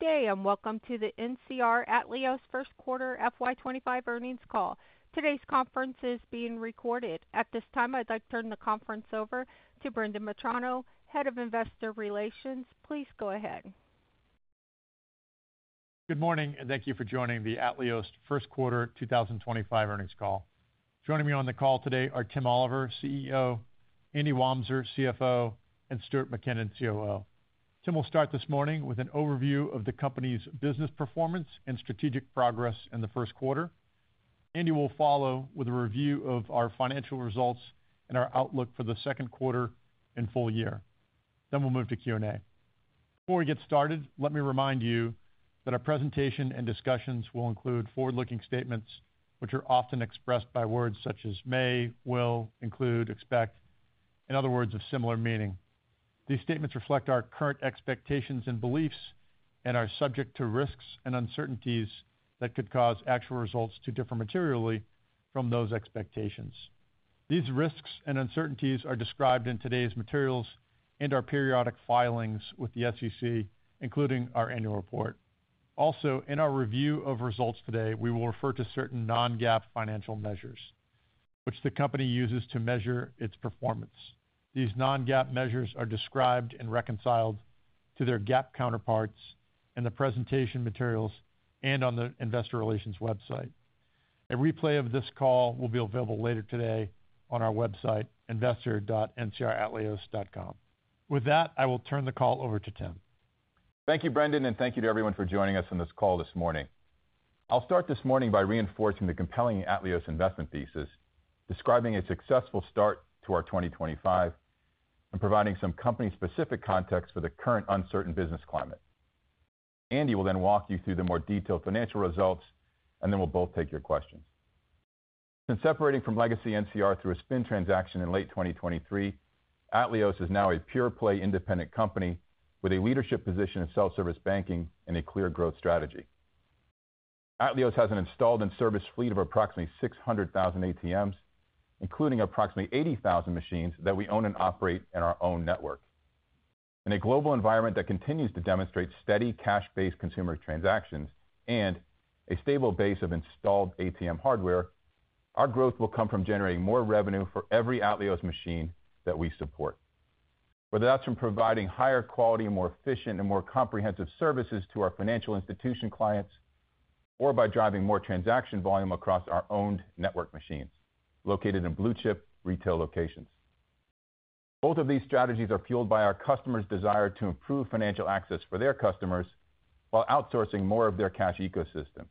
Good day and welcome to the NCR Atleos First Quarter FY25 Earnings Call. Today's conference is being recorded. At this time, I'd like to turn the conference over to Brendan Metrano, Head of Investor Relations. Please go ahead. Good morning, and thank you for joining the Atleos First Quarter 2025 Earnings Call. Joining me on the call today are Tim Oliver, CEO, Andy Wamser, CFO, and Stuart Mackinnon, COO. Tim will start this morning with an overview of the company's business performance and strategic progress in the first quarter. Andy will follow with a review of our financial results and our outlook for the second quarter and full year. Then we'll move to Q&A. Before we get started, let me remind you that our presentation and discussions will include forward-looking statements, which are often expressed by words such as may, will, include, expect, in other words, of similar meaning. These statements reflect our current expectations and beliefs and are subject to risks and uncertainties that could cause actual results to differ materially from those expectations. These risks and uncertainties are described in today's materials and our periodic filings with the SEC, including our annual report. Also, in our review of results today, we will refer to certain non-GAAP financial measures, which the company uses to measure its performance. These non-GAAP measures are described and reconciled to their GAAP counterparts in the presentation materials and on the Investor Relations website. A replay of this call will be available later today on our website, investor.ncratleos.com. With that, I will turn the call over to Tim. Thank you, Brendan, and thank you to everyone for joining us on this call this morning. I'll start this morning by reinforcing the compelling Atleos investment thesis, describing a successful start to our 2025, and providing some company-specific context for the current uncertain business climate. Andy will then walk you through the more detailed financial results, and then we'll both take your questions. Since separating from legacy NCR through a spin transaction in late 2023, Atleos is now a pure-play independent company with a leadership position in self-service banking and a clear growth strategy. Atleos has an installed and serviced fleet of approximately 600,000 ATMs, including approximately 80,000 machines that we own and operate in our own network. In a global environment that continues to demonstrate steady cash-based consumer transactions and a stable base of installed ATM hardware, our growth will come from generating more revenue for every Atleos machine that we support. Whether that's from providing higher quality, more efficient, and more comprehensive services to our financial institution clients, or by driving more transaction volume across our owned network machines located in blue-chip retail locations. Both of these strategies are fueled by our customers' desire to improve financial access for their customers while outsourcing more of their cash ecosystem.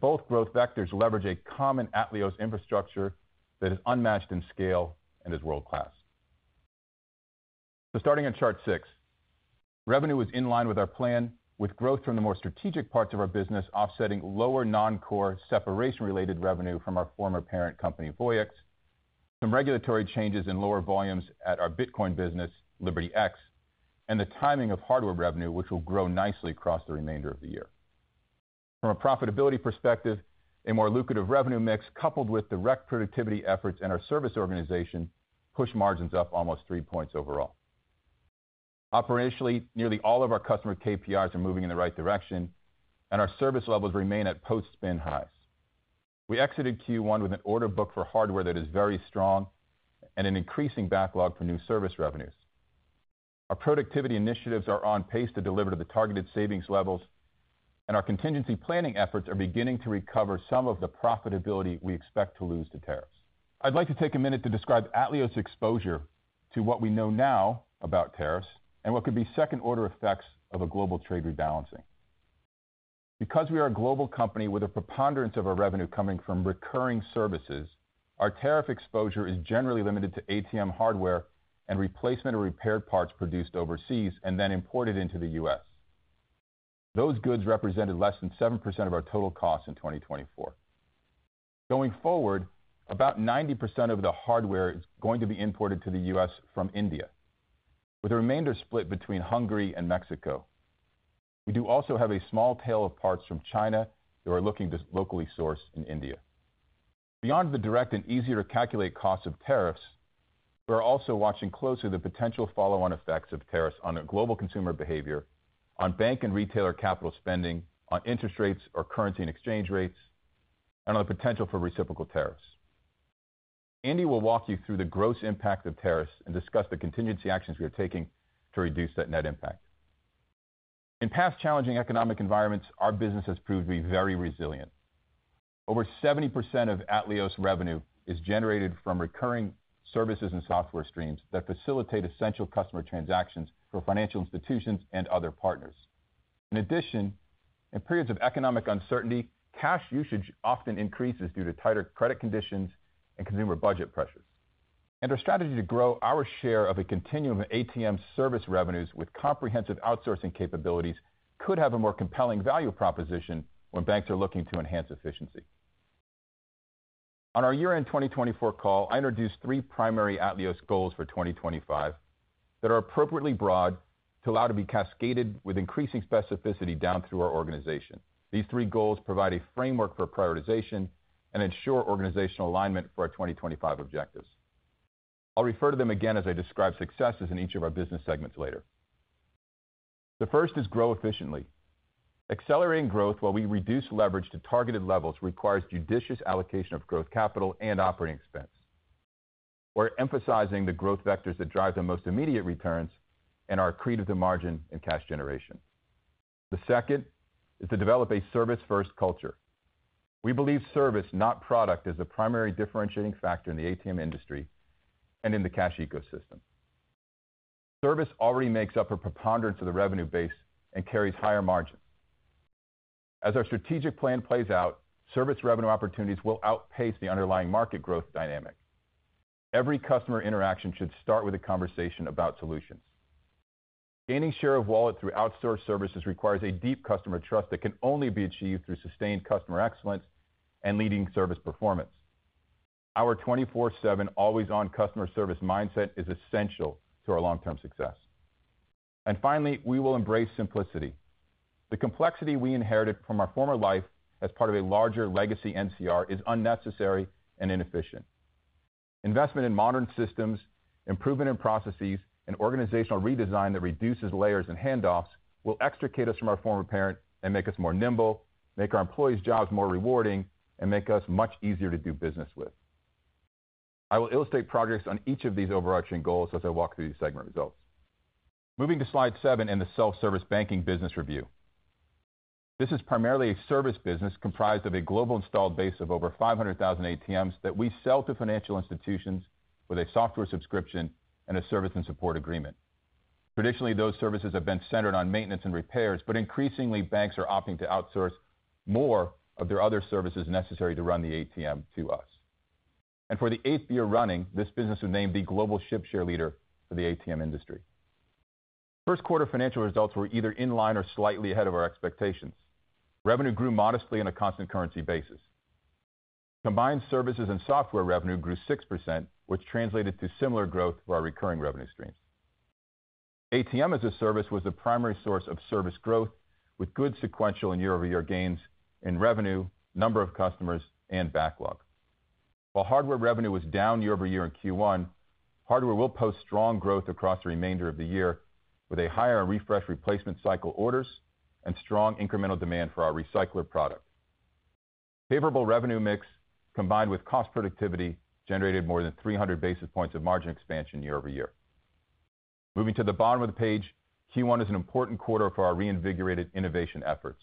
Both growth vectors leverage a common Atleos infrastructure that is unmatched in scale and is world-class. Starting in chart six, revenue is in line with our plan, with growth from the more strategic parts of our business offsetting lower non-core separation-related revenue from our former parent company, NCR Voyix, some regulatory changes and lower volumes at our Bitcoin business, LibertyX, and the timing of hardware revenue, which will grow nicely across the remainder of the year. From a profitability perspective, a more lucrative revenue mix coupled with direct productivity efforts and our service organization push margins up almost three points overall. Operationally, nearly all of our customer KPIs are moving in the right direction, and our service levels remain at post-spin highs. We exited Q1 with an order book for hardware that is very strong and an increasing backlog for new service revenues. Our productivity initiatives are on pace to deliver to the targeted savings levels, and our contingency planning efforts are beginning to recover some of the profitability we expect to lose to tariffs. I'd like to take a minute to describe Atleos' exposure to what we know now about tariffs and what could be second-order effects of a global trade rebalancing. Because we are a global company with a preponderance of our revenue coming from recurring services, our tariff exposure is generally limited to ATM hardware and replacement or repaired parts produced overseas and then imported into the U.S. Those goods represented less than 7% of our total costs in 2024. Going forward, about 90% of the hardware is going to be imported to the U.S. from India, with the remainder split between Hungary and Mexico. We do also have a small tail of parts from China that we're looking to locally source in India. Beyond the direct and easier-to-calculate costs of tariffs, we're also watching closely the potential follow-on effects of tariffs on global consumer behavior, on bank and retailer capital spending, on interest rates or currency and exchange rates, and on the potential for reciprocal tariffs. Andy will walk you through the gross impact of tariffs and discuss the contingency actions we are taking to reduce that net impact. In past challenging economic environments, our business has proved to be very resilient. Over 70% of Atleos' revenue is generated from recurring services and software streams that facilitate essential customer transactions for financial institutions and other partners. In addition, in periods of economic uncertainty, cash usage often increases due to tighter credit conditions and consumer budget pressures. Our strategy to grow our share of a continuum of ATM service revenues with comprehensive outsourcing capabilities could have a more compelling value proposition when banks are looking to enhance efficiency. On our year-end 2024 call, I introduced three primary Atleos goals for 2025 that are appropriately broad to allow to be cascaded with increasing specificity down through our organization. These three goals provide a framework for prioritization and ensure organizational alignment for our 2025 objectives. I'll refer to them again as I describe successes in each of our business segments later. The first is grow efficiently. Accelerating growth while we reduce leverage to targeted levels requires judicious allocation of growth capital and operating expense. We're emphasizing the growth vectors that drive the most immediate returns and are accretive to margin and cash generation. The second is to develop a service-first culture. We believe service, not product, is the primary differentiating factor in the ATM industry and in the cash ecosystem. Service already makes up a preponderance of the revenue base and carries higher margins. As our strategic plan plays out, service revenue opportunities will outpace the underlying market growth dynamic. Every customer interaction should start with a conversation about solutions. Gaining share of wallet through outsourced services requires a deep customer trust that can only be achieved through sustained customer excellence and leading service performance. Our 24/7, always-on customer service mindset is essential to our long-term success. Finally, we will embrace simplicity. The complexity we inherited from our former life as part of a larger legacy NCR is unnecessary and inefficient. Investment in modern systems, improvement in processes, and organizational redesign that reduces layers and handoffs will extricate us from our former parent and make us more nimble, make our employees' jobs more rewarding, and make us much easier to do business with. I will illustrate progress on each of these overarching goals as I walk through these segment results. Moving to slide seven in the self-service banking business review. This is primarily a service business comprised of a global installed base of over 500,000 ATMs that we sell to financial institutions with a software subscription and a service and support agreement. Traditionally, those services have been centered on maintenance and repairs, but increasingly, banks are opting to outsource more of their other services necessary to run the ATM to us. For the eighth year running, this business was named the global ship share leader for the ATM industry. First quarter financial results were either in line or slightly ahead of our expectations. Revenue grew modestly on a constant currency basis. Combined services and software revenue grew 6%, which translated to similar growth for our recurring revenue streams. ATM as a Service was the primary source of service growth, with good sequential and year-over-year gains in revenue, number of customers, and backlog. While hardware revenue was down year-over-year in Q1, hardware will post strong growth across the remainder of the year with a higher and refresh replacement cycle orders and strong incremental demand for our Recycler product. Favorable revenue mix combined with cost productivity generated more than 300 basis points of margin expansion year-over-year. Moving to the bottom of the page, Q1 is an important quarter for our reinvigorated innovation efforts.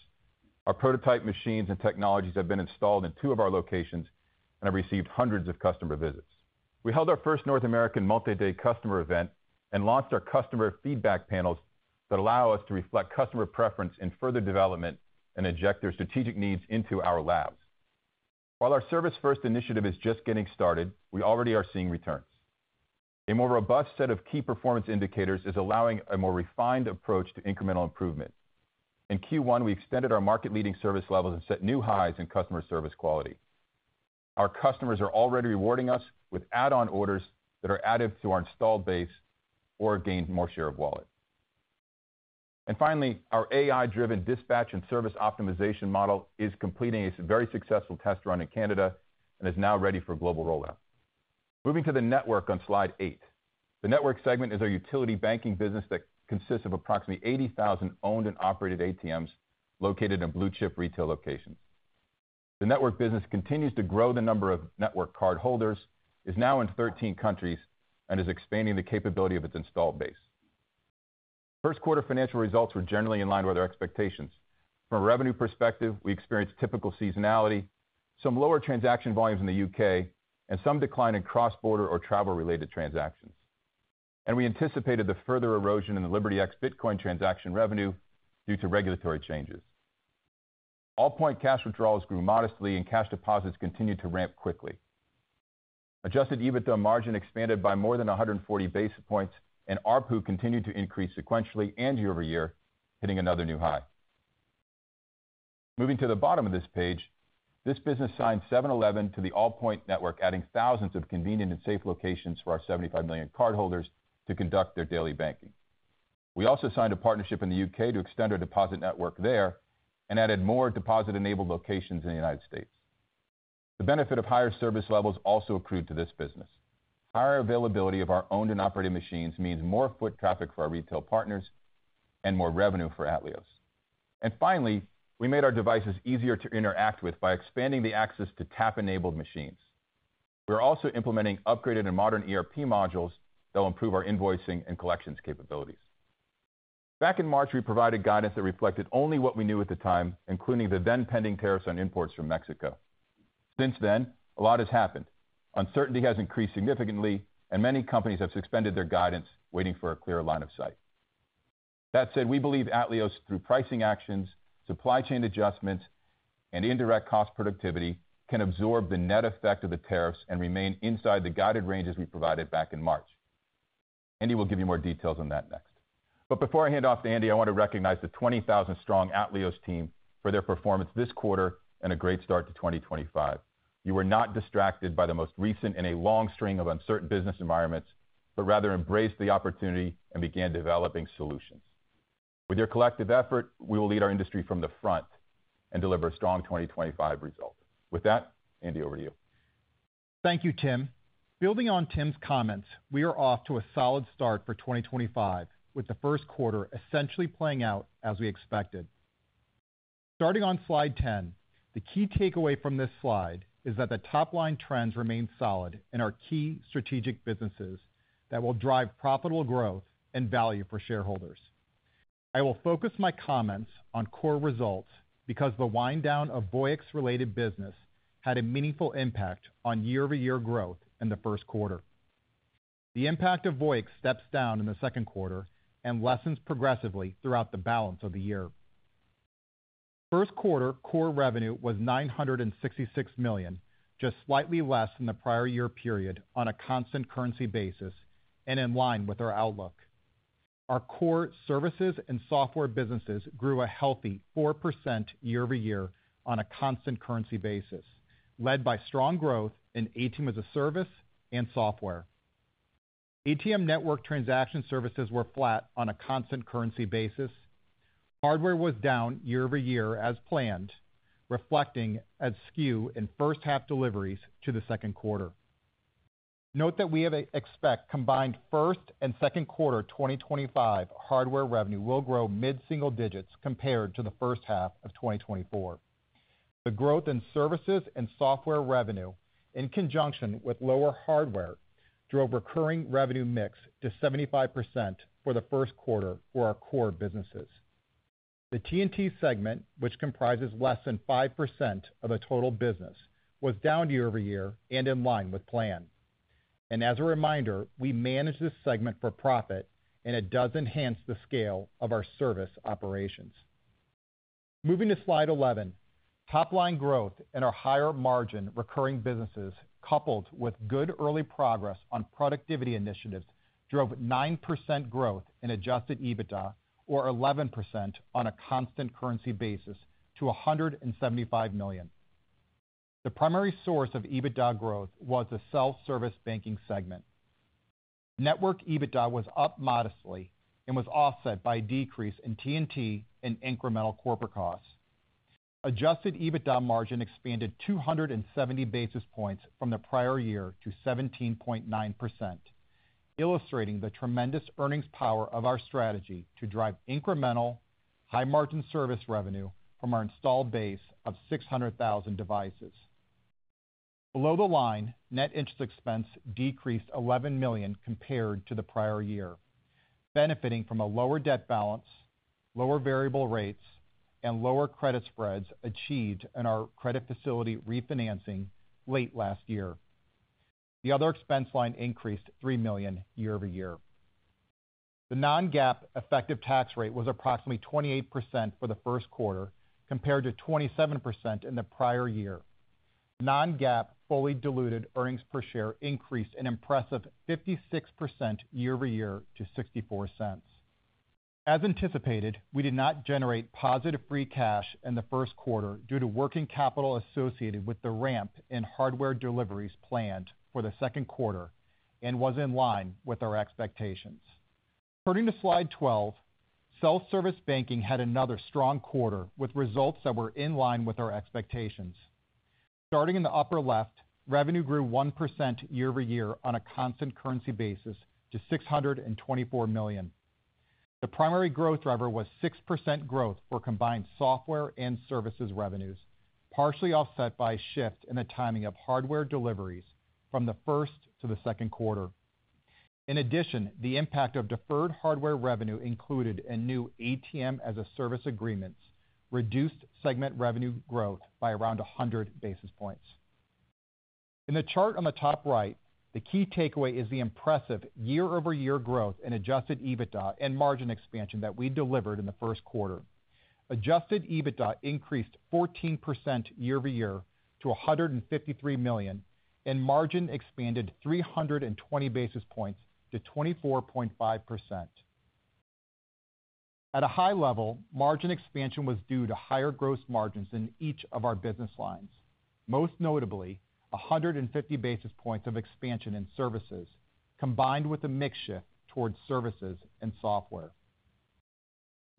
Our prototype machines and technologies have been installed in two of our locations and have received hundreds of customer visits. We held our first North American multi-day customer event and launched our customer feedback panels that allow us to reflect customer preference in further development and inject their strategic needs into our labs. While our service-first initiative is just getting started, we already are seeing returns. A more robust set of key performance indicators is allowing a more refined approach to incremental improvement. In Q1, we extended our market-leading service levels and set new highs in customer service quality. Our customers are already rewarding us with add-on orders that are added to our installed base or gain more share of wallet. Finally, our AI-driven dispatch and service optimization model is completing a very successful test run in Canada and is now ready for global rollout. Moving to the network on slide eight. The network segment is our utility banking business that consists of approximately 80,000 owned and operated ATMs located in blue-chip retail locations. The network business continues to grow the number of network card holders, is now in 13 countries, and is expanding the capability of its installed base. First quarter financial results were generally in line with our expectations. From a revenue perspective, we experienced typical seasonality, some lower transaction volumes in the U.K., and some decline in cross-border or travel-related transactions. We anticipated the further erosion in the LibertyX Bitcoin transaction revenue due to regulatory changes. Allpoint cash withdrawals grew modestly, and cash deposits continued to ramp quickly. Adjusted EBITDA margin expanded by more than 140 basis points, and ARPU continued to increase sequentially and year-over-year, hitting another new high. Moving to the bottom of this page, this business signed 7-Eleven to the Allpoint network, adding thousands of convenient and safe locations for our 75 million cardholders to conduct their daily banking. We also signed a partnership in the U.K. to extend our deposit network there and added more deposit-enabled locations in the United States. The benefit of higher service levels also accrued to this business. Higher availability of our owned and operated machines means more foot traffic for our retail partners and more revenue for Atleos. Finally, we made our devices easier to interact with by expanding the access to tap-enabled machines. We're also implementing upgraded and modern ERP modules that will improve our invoicing and collections capabilities. Back in March, we provided guidance that reflected only what we knew at the time, including the then-pending tariffs on imports from Mexico. Since then, a lot has happened. Uncertainty has increased significantly, and many companies have suspended their guidance, waiting for a clearer line of sight. That said, we believe Atleos, through pricing actions, supply chain adjustments, and indirect cost productivity, can absorb the net effect of the tariffs and remain inside the guided ranges we provided back in March. Andy will give you more details on that next. Before I hand off to Andy, I want to recognize the 20,000-strong Atleos team for their performance this quarter and a great start to 2025. You were not distracted by the most recent in a long string of uncertain business environments, but rather embraced the opportunity and began developing solutions. With your collective effort, we will lead our industry from the front and deliver a strong 2025 result. With that, Andy, over to you. Thank you, Tim. Building on Tim's comments, we are off to a solid start for 2025, with the first quarter essentially playing out as we expected. Starting on slide 10, the key takeaway from this slide is that the top-line trends remain solid in our key strategic businesses that will drive profitable growth and value for shareholders. I will focus my comments on core results because the wind-down of Voyix-related business had a meaningful impact on year-over-year growth in the first quarter. The impact of Voyix steps down in the second quarter and lessens progressively throughout the balance of the year. First quarter core revenue was $966 million, just slightly less than the prior year period on a constant currency basis and in line with our outlook. Our core services and software businesses grew a healthy 4% year-over-year on a constant currency basis, led by strong growth in ATM as a Service and software. ATM network transaction services were flat on a constant currency basis. Hardware was down year-over-year as planned, reflecting a skew in first-half deliveries to the second quarter. Note that we expect combined first and second quarter 2025 hardware revenue will grow mid-single digits compared to the first half of 2024. The growth in services and software revenue, in conjunction with lower hardware, drove recurring revenue mix to 75% for the first quarter for our core businesses. The T&T segment, which comprises less than 5% of the total business, was down year-over-year and in line with plan. As a reminder, we manage this segment for profit and it does enhance the scale of our service operations. Moving to slide 11, top-line growth in our higher-margin recurring businesses, coupled with good early progress on productivity initiatives, drove 9% growth in adjusted EBITDA, or 11% on a constant currency basis, to $175 million. The primary source of EBITDA growth was the self-service banking segment. Network EBITDA was up modestly and was offset by a decrease in T&T and incremental corporate costs. Adjusted EBITDA margin expanded 270 basis points from the prior year to 17.9%, illustrating the tremendous earnings power of our strategy to drive incremental, high-margin service revenue from our installed base of 600,000 devices. Below the line, net interest expense decreased $11 million compared to the prior year, benefiting from a lower debt balance, lower variable rates, and lower credit spreads achieved in our credit facility refinancing late last year. The other expense line increased $3 million year-over-year. The non-GAAP effective tax rate was approximately 28% for the first quarter compared to 27% in the prior year. Non-GAAP fully diluted earnings per share increased an impressive 56% year-over-year to $0.64. As anticipated, we did not generate positive free cash in the first quarter due to working capital associated with the ramp in hardware deliveries planned for the second quarter and was in line with our expectations. Turning to slide 12, self-service banking had another strong quarter with results that were in line with our expectations. Starting in the upper left, revenue grew 1% year-over-year on a constant currency basis to $624 million. The primary growth driver was 6% growth for combined software and services revenues, partially offset by a shift in the timing of hardware deliveries from the first to the second quarter. In addition, the impact of deferred hardware revenue included a new ATM as a Service agreement, reduced segment revenue growth by around 100 basis points. In the chart on the top right, the key takeaway is the impressive year-over-year growth in adjusted EBITDA and margin expansion that we delivered in the first quarter. Adjusted EBITDA increased 14% year-over-year to $153 million, and margin expanded 320 basis points to 24.5%. At a high level, margin expansion was due to higher gross margins in each of our business lines, most notably 150 basis points of expansion in services, combined with a mixture towards services and software.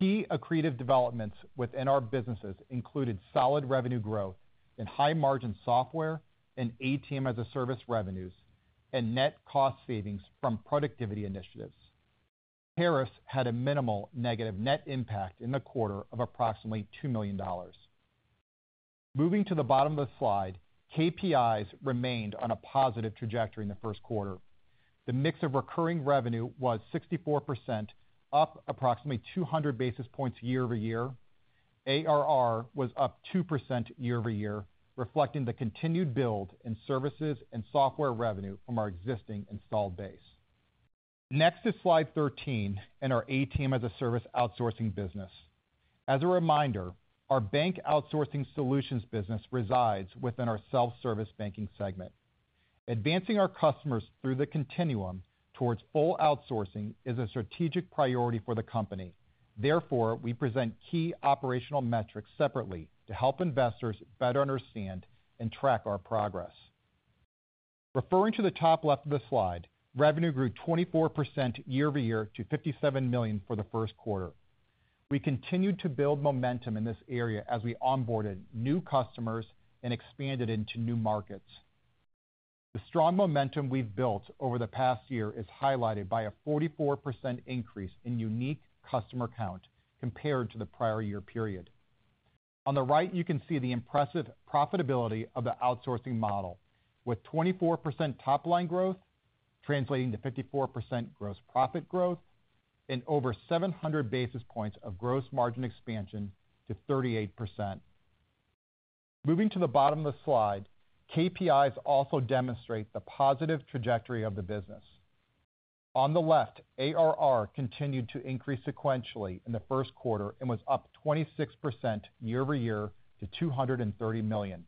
Key accretive developments within our businesses included solid revenue growth in high-margin software and ATM as a Service revenues and net cost savings from productivity initiatives. Tariffs had a minimal negative net impact in the quarter of approximately $2 million. Moving to the bottom of the slide, KPIs remained on a positive trajectory in the first quarter. The mix of recurring revenue was 64%, up approximately 200 basis points year-over-year. ARR was up 2% year-over-year, reflecting the continued build in services and software revenue from our existing installed base. Next is slide 13 in our ATM as a Service outsourcing business. As a reminder, our bank outsourcing solutions business resides within our self-service banking segment. Advancing our customers through the continuum towards full outsourcing is a strategic priority for the company. Therefore, we present key operational metrics separately to help investors better understand and track our progress. Referring to the top left of the slide, revenue grew 24% year-over-year to $57 million for the first quarter. We continued to build momentum in this area as we onboarded new customers and expanded into new markets. The strong momentum we've built over the past year is highlighted by a 44% increase in unique customer count compared to the prior year period. On the right, you can see the impressive profitability of the outsourcing model, with 24% top-line growth translating to 54% gross profit growth and over 700 basis points of gross margin expansion to 38%. Moving to the bottom of the slide, KPIs also demonstrate the positive trajectory of the business. On the left, ARR continued to increase sequentially in the first quarter and was up 26% year-over-year to $230 million.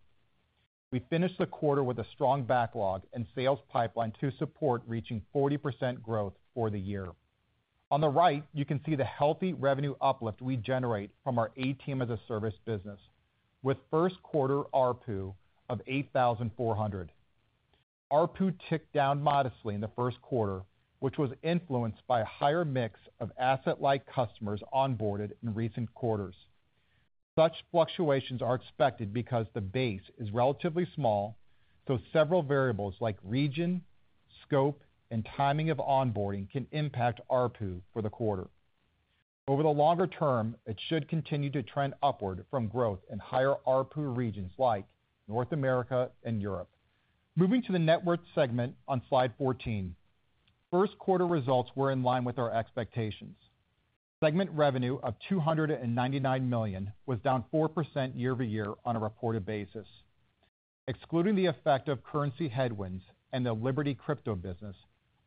We finished the quarter with a strong backlog and sales pipeline to support reaching 40% growth for the year. On the right, you can see the healthy revenue uplift we generate from our ATM as a Service business, with first quarter ARPU of $8,400. ARPU ticked down modestly in the first quarter, which was influenced by a higher mix of asset-like customers onboarded in recent quarters. Such fluctuations are expected because the base is relatively small, so several variables like region, scope, and timing of onboarding can impact ARPU for the quarter. Over the longer term, it should continue to trend upward from growth in higher ARPU regions like North America and Europe. Moving to the network segment on slide 14, first quarter results were in line with our expectations. Segment revenue of $299 million was down 4% year-over-year on a reported basis. Excluding the effect of currency headwinds and the LibertyX crypto business,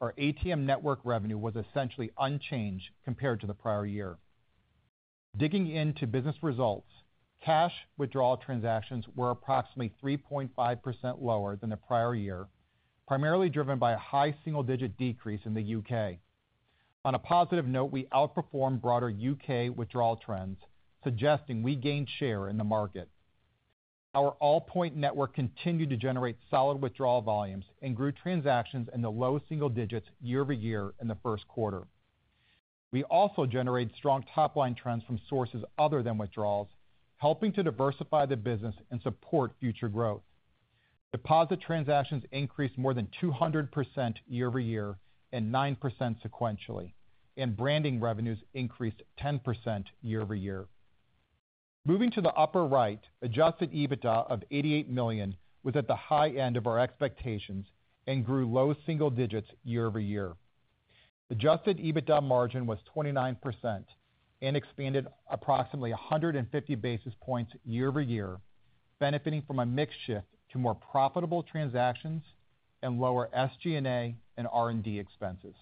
our ATM network revenue was essentially unchanged compared to the prior year. Digging into business results, cash withdrawal transactions were approximately 3.5% lower than the prior year, primarily driven by a high single-digit decrease in the U.K. On a positive note, we outperformed broader U.K. withdrawal trends, suggesting we gained share in the market. Our Allpoint network continued to generate solid withdrawal volumes and grew transactions in the low single digits year-over-year in the first quarter. We also generated strong top-line trends from sources other than withdrawals, helping to diversify the business and support future growth. Deposit transactions increased more than 200% year-over-year and 9% sequentially, and branding revenues increased 10% year-over-year. Moving to the upper right, adjusted EBITDA of $88 million was at the high end of our expectations and grew low single digits year-over-year. Adjusted EBITDA margin was 29% and expanded approximately 150 basis points year-over-year, benefiting from a mix shift to more profitable transactions and lower SG&A and R&D expenses.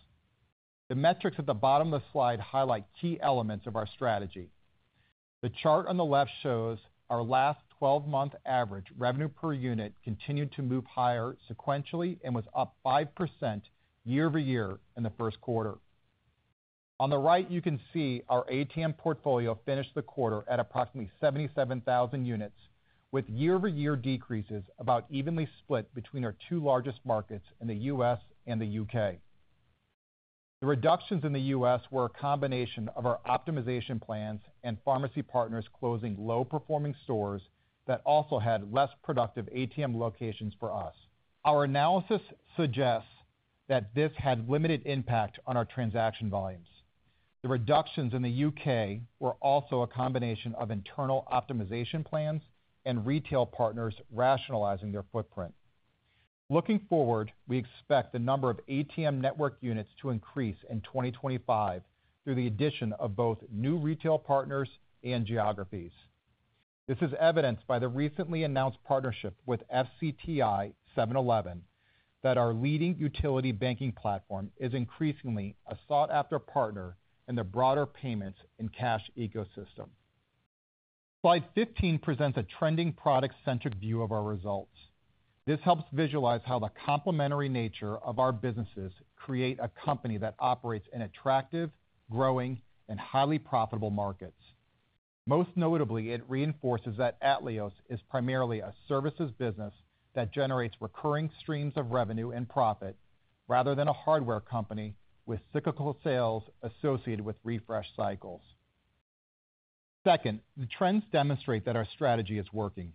The metrics at the bottom of the slide highlight key elements of our strategy. The chart on the left shows our last 12-month average revenue per unit continued to move higher sequentially and was up 5% year-over-year in the first quarter. On the right, you can see our ATM portfolio finished the quarter at approximately 77,000 units, with year-over-year decreases about evenly split between our two largest markets in the U.S. and the U.K. The reductions in the U.S. were a combination of our optimization plans and pharmacy partners closing low-performing stores that also had less productive ATM locations for us. Our analysis suggests that this had limited impact on our transaction volumes. The reductions in the U.K. were also a combination of internal optimization plans and retail partners rationalizing their footprint. Looking forward, we expect the number of ATM network units to increase in 2025 through the addition of both new retail partners and geographies. This is evidenced by the recently announced partnership with FCTI 7-Eleven that our leading utility banking platform is increasingly a sought-after partner in the broader payments and cash ecosystem. Slide 15 presents a trending product-centric view of our results. This helps visualize how the complementary nature of our businesses creates a company that operates in attractive, growing, and highly profitable markets. Most notably, it reinforces that Atleos is primarily a services business that generates recurring streams of revenue and profit rather than a hardware company with cyclical sales associated with refresh cycles. Second, the trends demonstrate that our strategy is working.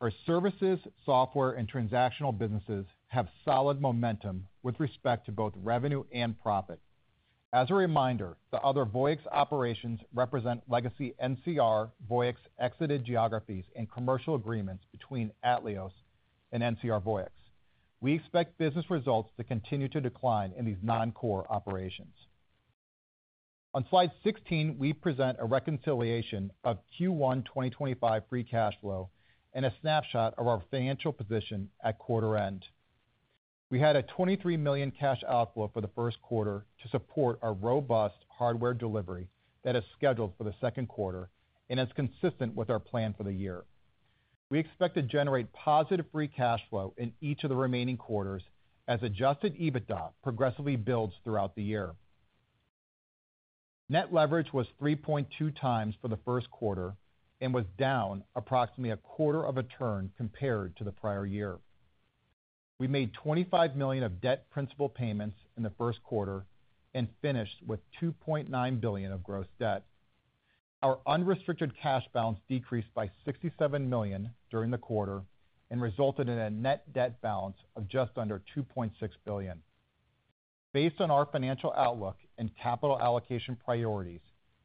Our services, software, and transactional businesses have solid momentum with respect to both revenue and profit. As a reminder, the other Voyix operations represent legacy NCR Voyix exited geographies and commercial agreements between Atleos and NCR Voyix. We expect business results to continue to decline in these non-core operations. On slide 16, we present a reconciliation of Q1 2025 free cash flow and a snapshot of our financial position at quarter end. We had a $23 million cash outflow for the first quarter to support our robust hardware delivery that is scheduled for the second quarter, and it's consistent with our plan for the year. We expect to generate positive free cash flow in each of the remaining quarters as adjusted EBITDA progressively builds throughout the year. Net leverage was 3.2 times for the first quarter and was down approximately a quarter of a turn compared to the prior year. We made $25 million of debt principal payments in the first quarter and finished with $2.9 billion of gross debt. Our unrestricted cash balance decreased by $67 million during the quarter and resulted in a net debt balance of just under $2.6 billion. Based on our financial outlook and capital allocation priorities,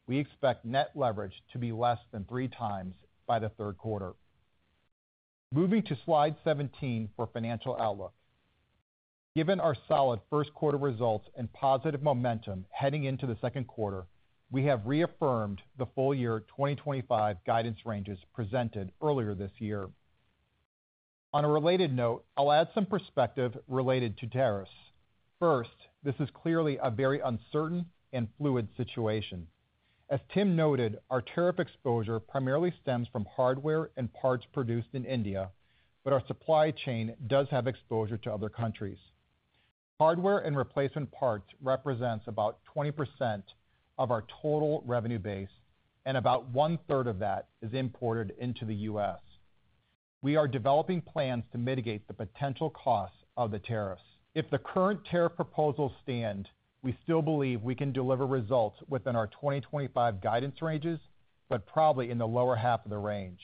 we expect net leverage to be less than three times by the third quarter. Moving to slide 17 for financial outlook. Given our solid first quarter results and positive momentum heading into the second quarter, we have reaffirmed the full year 2025 guidance ranges presented earlier this year. On a related note, I'll add some perspective related to tariffs. First, this is clearly a very uncertain and fluid situation. As Tim noted, our tariff exposure primarily stems from hardware and parts produced in India, but our supply chain does have exposure to other countries. Hardware and replacement parts represent about 20% of our total revenue base, and about one-third of that is imported into the US. We are developing plans to mitigate the potential costs of the tariffs. If the current tariff proposals stand, we still believe we can deliver results within our 2025 guidance ranges, but probably in the lower half of the range.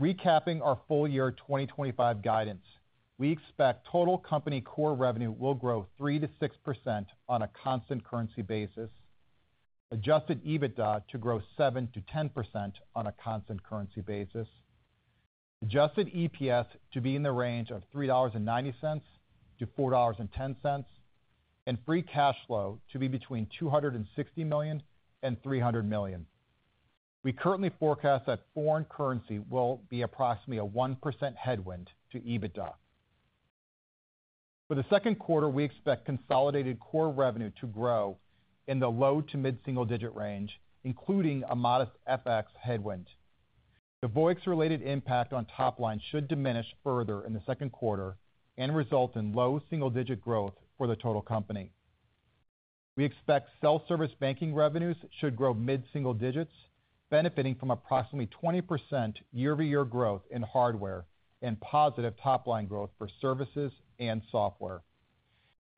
Recapping our full year 2025 guidance, we expect total company core revenue will grow 3%-6% on a constant currency basis, adjusted EBITDA to grow 7%-10% on a constant currency basis, adjusted EPS to be in the range of $3.90-$4.10, and free cash flow to be between $260 million and $300 million. We currently forecast that foreign currency will be approximately a 1% headwind to EBITDA. For the second quarter, we expect consolidated core revenue to grow in the low to mid-single digit range, including a modest FX headwind. The Voyix-related impact on top line should diminish further in the second quarter and result in low single-digit growth for the total company. We expect self-service banking revenues should grow mid-single digits, benefiting from approximately 20% year-over-year growth in hardware and positive top-line growth for services and software.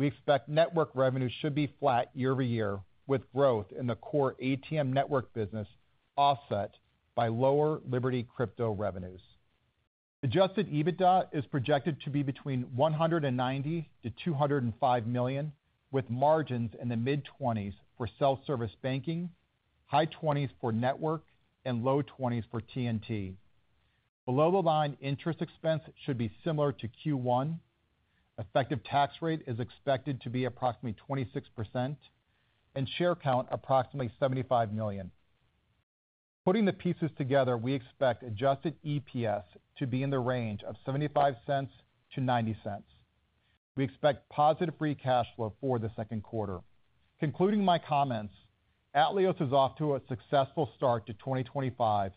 We expect network revenue should be flat year-over-year, with growth in the core ATM network business offset by lower Liberty crypto revenues. Adjusted EBITDA is projected to be between $190 million-$205 million, with margins in the mid-20s for self-service banking, high 20s for network, and low 20s for TNT. Below-the-line interest expense should be similar to Q1. Effective tax rate is expected to be approximately 26% and share count approximately 75 million. Putting the pieces together, we expect adjusted EPS to be in the range of $0.75-$0.90. We expect positive free cash flow for the second quarter. Concluding my comments, Atleos is off to a successful start to 2025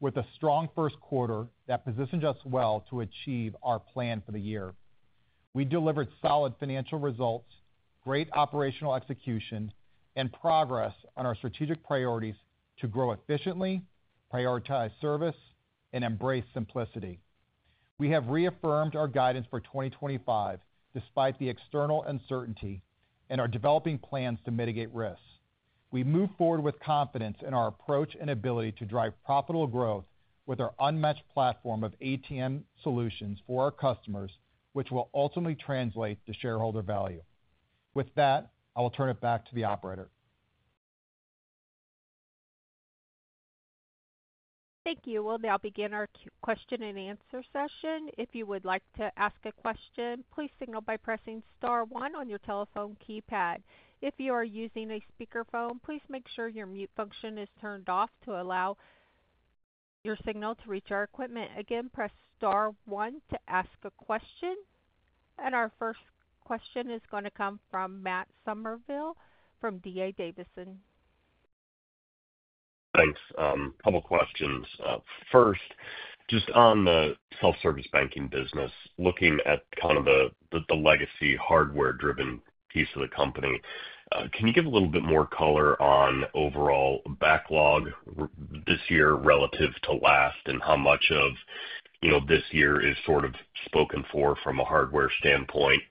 with a strong first quarter that positions us well to achieve our plan for the year. We delivered solid financial results, great operational execution, and progress on our strategic priorities to grow efficiently, prioritize service, and embrace simplicity. We have reaffirmed our guidance for 2025 despite the external uncertainty and our developing plans to mitigate risks. We move forward with confidence in our approach and ability to drive profitable growth with our unmatched platform of ATM solutions for our customers, which will ultimately translate to shareholder value. With that, I will turn it back to the operator. Thank you. We'll now begin our question and answer session. If you would like to ask a question, please signal by pressing star one on your telephone keypad. If you are using a speakerphone, please make sure your mute function is turned off to allow your signal to reach our equipment. Again, press star one to ask a question. Our first question is going to come from Matt Summerville from D.A. Davidson. Thanks. Couple of questions. First, just on the self-service banking business, looking at kind of the legacy hardware-driven piece of the company, can you give a little bit more color on overall backlog this year relative to last and how much of this year is sort of spoken for from a hardware standpoint?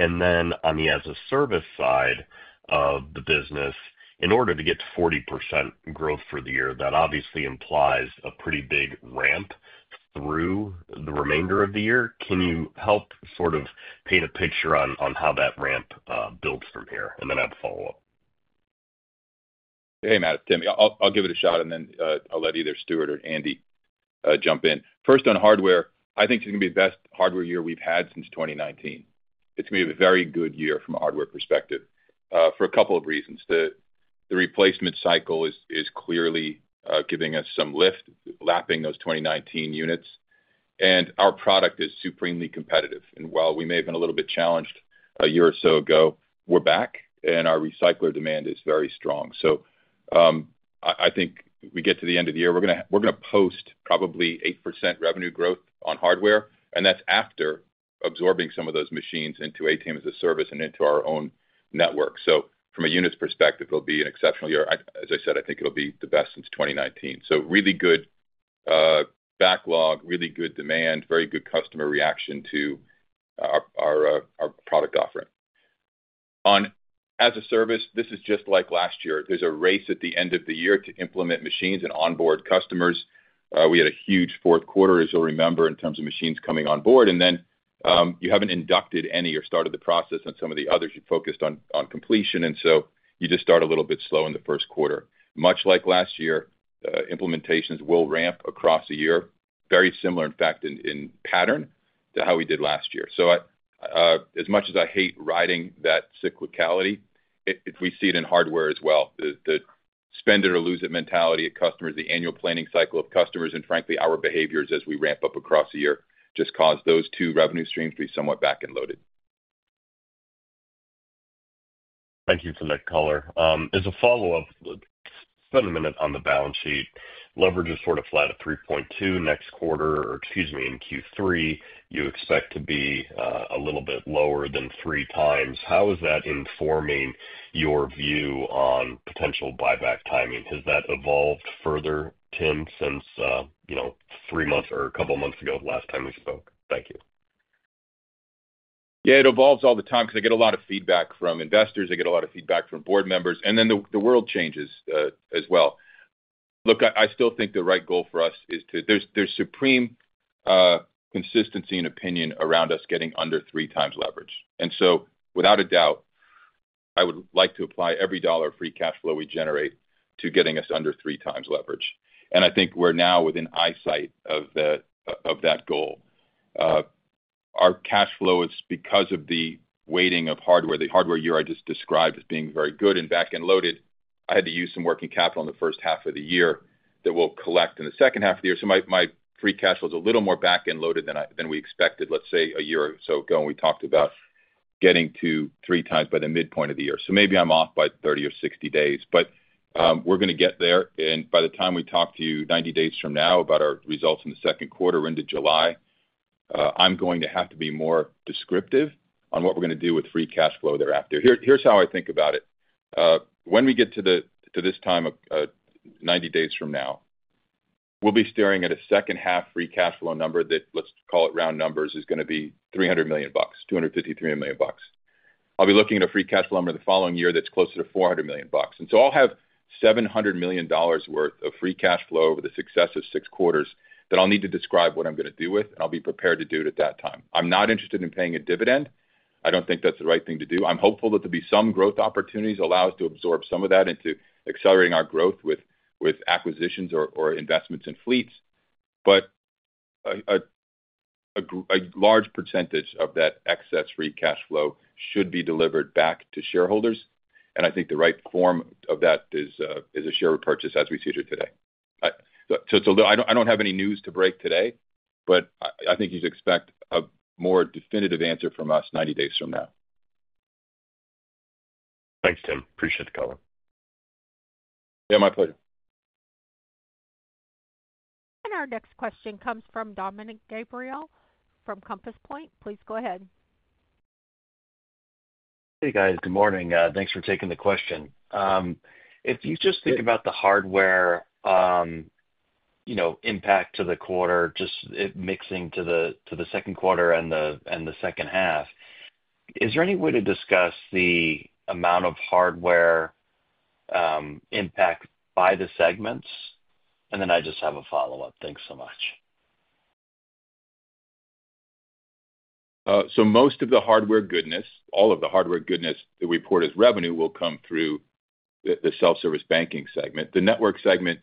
On the as-a-service side of the business, in order to get to 40% growth for the year, that obviously implies a pretty big ramp through the remainder of the year. Can you help sort of paint a picture on how that ramp builds from here? I have a follow-up. Hey, Matt. Tim, I'll give it a shot, and then I'll let either Stuart or Andy jump in. First, on hardware, I think it's going to be the best hardware year we've had since 2019. It's going to be a very good year from a hardware perspective for a couple of reasons. The replacement cycle is clearly giving us some lift, lapping those 2019 units. Our product is supremely competitive. While we may have been a little bit challenged a year or so ago, we're back, and our recycler demand is very strong. I think we get to the end of the year, we're going to post probably 8% revenue growth on hardware, and that's after absorbing some of those machines into ATM as a Service and into our own network. From a unit's perspective, it'll be an exceptional year. As I said, I think it'll be the best since 2019. Really good backlog, really good demand, very good customer reaction to our product offering. On as-a-service, this is just like last year. There's a race at the end of the year to implement machines and onboard customers. We had a huge fourth quarter, as you'll remember, in terms of machines coming on board. You haven't inducted any or started the process on some of the others. You focused on completion, and you just start a little bit slow in the first quarter. Much like last year, implementations will ramp across the year, very similar, in fact, in pattern to how we did last year. As much as I hate riding that cyclicality, we see it in hardware as well. The spend-it-or-lose-it mentality at customers, the annual planning cycle of customers, and frankly, our behaviors as we ramp up across the year just caused those two revenue streams to be somewhat back end loaded. Thank you for that color. As a follow-up, spend a minute on the balance sheet. Leverage is sort of flat at 3.2 next quarter, or excuse me, in Q3. You expect to be a little bit lower than three times. How is that informing your view on potential buyback timing? Has that evolved further, Tim, since three months or a couple of months ago last time we spoke? Thank you. Yeah, it evolves all the time because I get a lot of feedback from investors. I get a lot of feedback from board members. The world changes as well. Look, I still think the right goal for us is to—there is supreme consistency and opinion around us getting under three times leverage. Without a doubt, I would like to apply every dollar of free cash flow we generate to getting us under three times leverage. I think we are now within eyesight of that goal. Our cash flow is, because of the weighting of hardware, the hardware year I just described as being very good and back end loaded, I had to use some working capital in the first half of the year that we will collect in the second half of the year. My free cash flow is a little more back end loaded than we expected, let's say, a year or so ago. We talked about getting to three times by the midpoint of the year. Maybe I'm off by 30 or 60 days, but we're going to get there. By the time we talk to you 90 days from now about our results in the second quarter into July, I'm going to have to be more descriptive on what we're going to do with free cash flow thereafter. Here's how I think about it. When we get to this time of 90 days from now, we'll be staring at a second-half free cash flow number that, let's call it round numbers, is going to be $300 million, $253 million. I'll be looking at a free cash flow number the following year that's closer to $400 million. I'll have $700 million worth of free cash flow over the success of six quarters that I'll need to describe what I'm going to do with, and I'll be prepared to do it at that time. I'm not interested in paying a dividend. I don't think that's the right thing to do. I'm hopeful that there'll be some growth opportunities that allow us to absorb some of that into accelerating our growth with acquisitions or investments in fleets. A large percentage of that excess free cash flow should be delivered back to shareholders. I think the right form of that is a share purchase as we see it here today. I don't have any news to break today, but I think you'd expect a more definitive answer from us 90 days from now. Thanks, Tim. Appreciate the call. Yeah, my pleasure. Our next question comes from Dominic Gabriel from Compass Point. Please go ahead. Hey, guys. Good morning. Thanks for taking the question. If you just think about the hardware impact to the quarter, just mixing to the second quarter and the second half, is there any way to discuss the amount of hardware impact by the segments? I just have a follow-up. Thanks so much. Most of the hardware goodness, all of the hardware goodness, the report is revenue will come through the self-service banking segment. The network segment,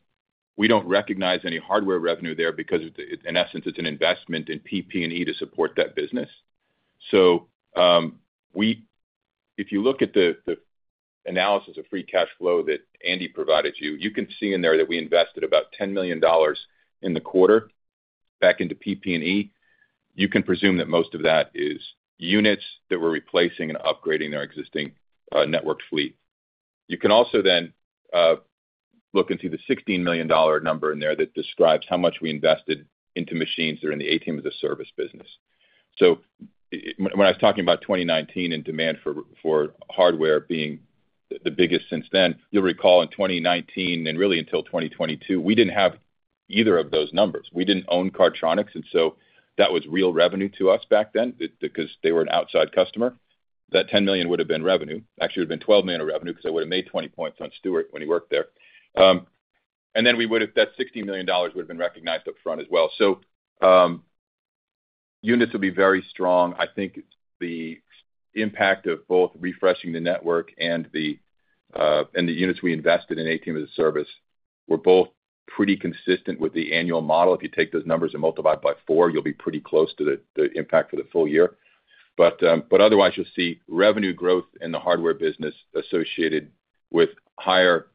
we do not recognize any hardware revenue there because, in essence, it is an investment in PP&E to support that business. If you look at the analysis of free cash flow that Andy provided you, you can see in there that we invested about $10 million in the quarter back into PP&E. You can presume that most of that is units that we're replacing and upgrading our existing network fleet. You can also then look into the $16 million number in there that describes how much we invested into machines that are in the ATM as a Service business. When I was talking about 2019 and demand for hardware being the biggest since then, you'll recall in 2019 and really until 2022, we didn't have either of those numbers. We didn't own Cardtronics, and that was real revenue to us back then because they were an outside customer. That $10 million would have been revenue. Actually, it would have been $12 million of revenue because I would have made 20 points on Stuart when he worked there. That $16 million would have been recognized upfront as well. Units would be very strong. I think the impact of both refreshing the network and the units we invested in ATM as a service were both pretty consistent with the annual model. If you take those numbers and multiply it by four, you'll be pretty close to the impact for the full year. Otherwise, you'll see revenue growth in the hardware business associated with a higher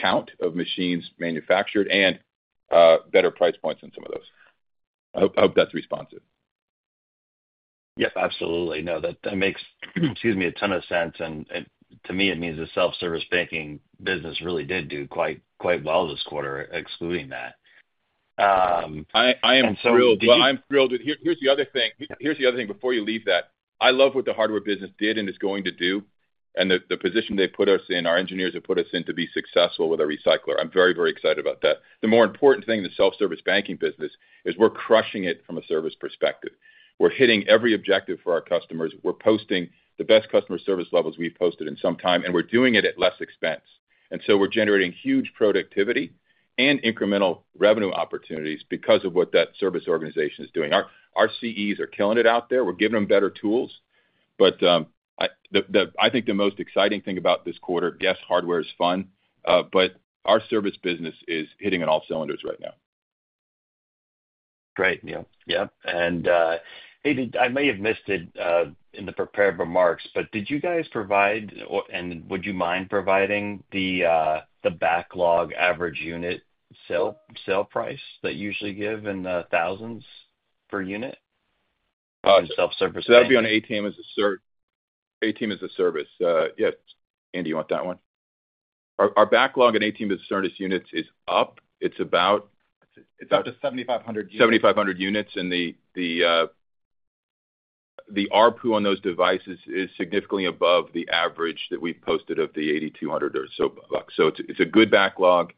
count of machines manufactured and better price points on some of those. I hope that's responsive. Yes, absolutely. No, that makes, excuse me, a ton of sense. To me, it means the self-service banking business really did do quite well this quarter, excluding that. I am thrilled. I'm thrilled. Here's the other thing. Here's the other thing before you leave that. I love what the hardware business did and is going to do, and the position they put us in, our engineers have put us in to be successful with a recycler. I'm very, very excited about that. The more important thing in the self-service banking business is we're crushing it from a service perspective. We're hitting every objective for our customers. We're posting the best customer service levels we've posted in some time, and we're doing it at less expense. We're generating huge productivity and incremental revenue opportunities because of what that service organization is doing. Our CEs are killing it out there. We're giving them better tools. I think the most exciting thing about this quarter, yes, hardware is fun, but our service business is hitting on all cylinders right now. Great. Yeah. Yeah. I may have missed it in the prepared remarks, but did you guys provide and would you mind providing the backlog average unit sale price that you usually give in the thousands per unit in self-service? That'll be on ATM as a Service. Yes. Andy, you want that one? Our backlog in ATM as a Service units is up. It's about. It's up to 7,500 units. 7,500 units. And the ARPU on those devices is significantly above the average that we've posted of the $8,200 or so bucks. So it's a good backlog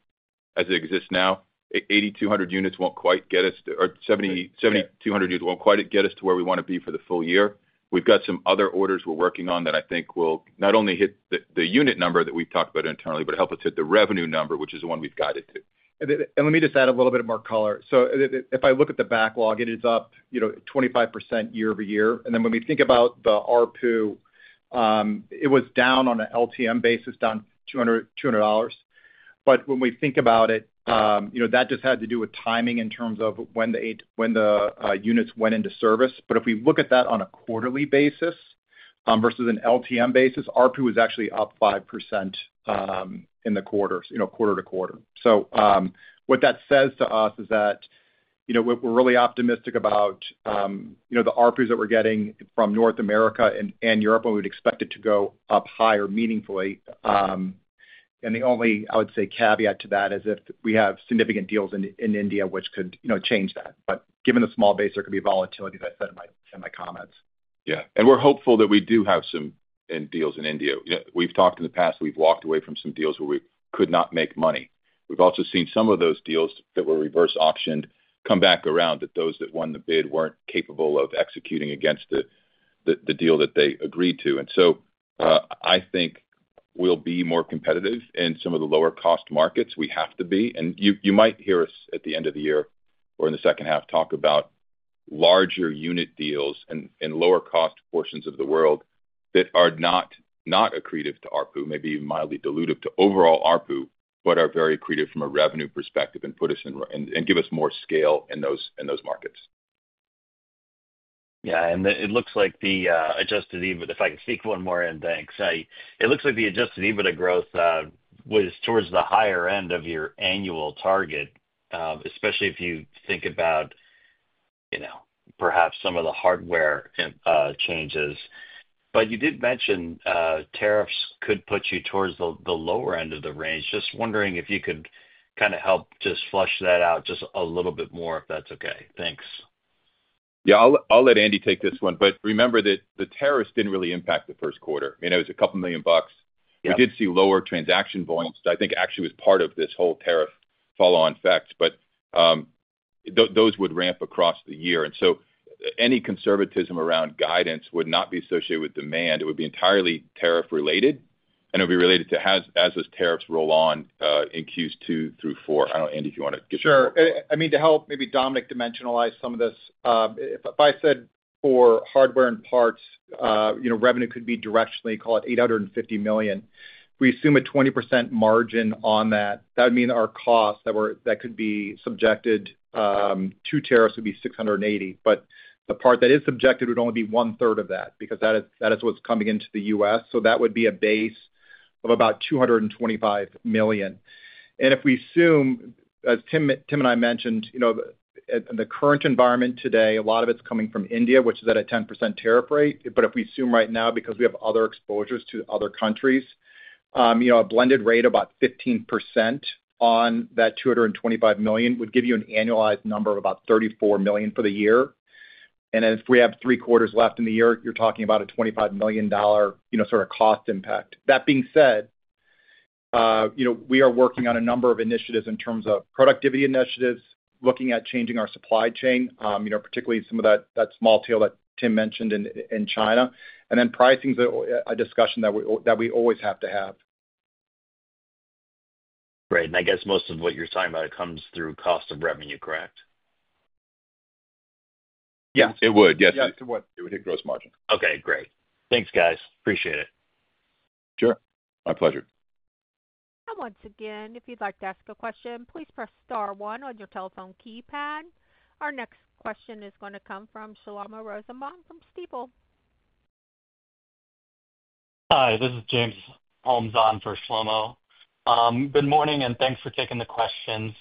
as it exists now. 8,200 units won't quite get us to or 7,200 units won't quite get us to where we want to be for the full year. We've got some other orders we're working on that I think will not only hit the unit number that we've talked about internally, but help us hit the revenue number, which is the one we've guided to. Let me just add a little bit more color. If I look at the backlog, it is up 25% year-over-year. When we think about the ARPU, it was down on an LTM basis, down $200. When we think about it, that just had to do with timing in terms of when the units went into service. If we look at that on a quarterly basis versus an LTM basis, ARPU was actually up 5% in the quarter-to-quarter. What that says to us is that we're really optimistic about the ARPUs that we're getting from North America and Europe, and we would expect it to go up higher meaningfully. The only, I would say, caveat to that is if we have significant deals in India, which could change that. Given the small base, there could be volatility, as I said in my comments. Yeah. We're hopeful that we do have some deals in India. We've talked in the past. We've walked away from some deals where we could not make money. We've also seen some of those deals that were reverse auctioned come back around, that those that won the bid were not capable of executing against the deal that they agreed to. I think we'll be more competitive in some of the lower-cost markets. We have to be. You might hear us at the end of the year or in the second half talk about larger unit deals in lower-cost portions of the world that are not accretive to ARPU, maybe even mildly dilutive to overall ARPU, but are very accretive from a revenue perspective and give us more scale in those markets. Yeah. It looks like the adjusted EBITDA, if I can speak one more in, thanks. It looks like the adjusted EBITDA growth was towards the higher end of your annual target, especially if you think about perhaps some of the hardware changes. You did mention tariffs could put you towards the lower end of the range. Just wondering if you could kind of help just flush that out just a little bit more if that's okay. Thanks. Yeah. I'll let Andy take this one. Remember that the tariffs did not really impact the first quarter. I mean, it was a couple million bucks. We did see lower transaction volumes, which I think actually was part of this whole tariff follow-on effect. Those would ramp across the year. Any conservatism around guidance would not be associated with demand. It would be entirely tariff-related, and it would be related to as those tariffs roll on in Q2 through Q4. I do not know, Andy, if you want to give some— Sure. I mean, to help maybe Dominic dimensionalize some of this, if I said for hardware and parts, revenue could be directionally, call it $850 million, we assume a 20% margin on that. That would mean our costs that could be subjected to tariffs would be $680 million. The part that is subjected would only be one-third of that because that is what is coming into the US. That would be a base of about $225 million. If we assume, as Tim and I mentioned, in the current environment today, a lot of it is coming from India, which is at a 10% tariff rate. If we assume right now, because we have other exposures to other countries, a blended rate of about 15% on that $225 million would give you an annualized number of about $34 million for the year. If we have three quarters left in the year, you are talking about a $25 million sort of cost impact. That being said, we are working on a number of initiatives in terms of productivity initiatives, looking at changing our supply chain, particularly some of that small tail that Tim mentioned in China. Pricing is a discussion that we always have to have. Great. I guess most of what you're talking about comes through cost of revenue, correct? Yes, it would. Yes. Yes, it would. It would hit gross margin. Okay. Great. Thanks, guys. Appreciate it. Sure. My pleasure. Once again, if you'd like to ask a question, please press star one on your telephone keypad. Our next question is going to come from Shlomo Rosenbaum from Stifel. Hi. This is James Holmes on for Shlomo. Good morning, and thanks for taking the questions.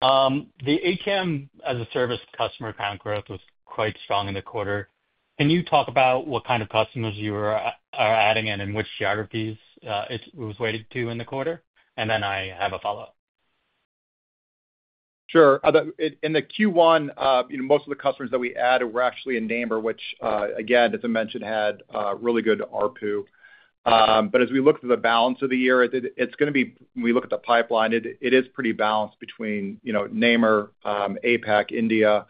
The ATM as a Service customer account growth was quite strong in the quarter. Can you talk about what kind of customers you are adding and in which geographies it was weighted to in the quarter? I have a follow-up. Sure. In the Q1, most of the customers that we added were actually in North America, which, again, as I mentioned, had really good ARPU. As we look through the balance of the year, when we look at the pipeline, it is pretty balanced between North America, APAC, India,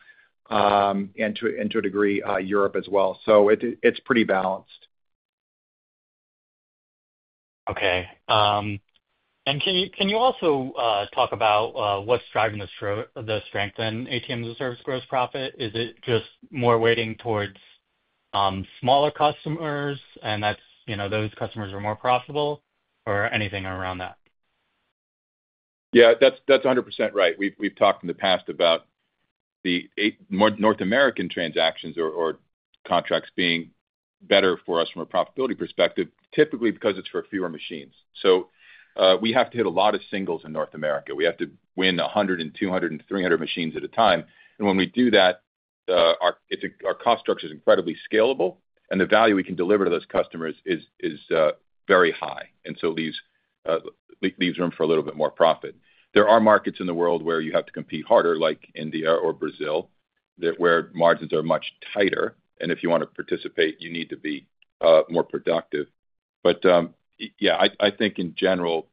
and to a degree, Europe as well. It is pretty balanced. Okay. Can you also talk about what is driving the strength in ATM as a Service growth profit? Is it just more weighting towards smaller customers, and those customers are more profitable, or anything around that? Yeah. That is 100% right. We have talked in the past about the North American transactions or contracts being better for us from a profitability perspective, typically because it is for fewer machines. We have to hit a lot of singles in North America. We have to win 100 and 200 and 300 machines at a time. When we do that, our cost structure is incredibly scalable, and the value we can deliver to those customers is very high. It leaves room for a little bit more profit. There are markets in the world where you have to compete harder, like India or Brazil, where margins are much tighter. If you want to participate, you need to be more productive. Yeah, I think in general,